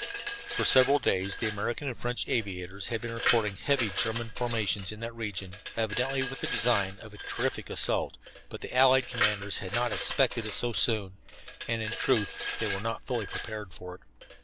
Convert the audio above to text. For several days the American and French aviators had been reporting heavy German formations in that region, evidently with the design of a terrific assault, but the allied commanders had not expected it so soon, and in truth they were not fully prepared for it.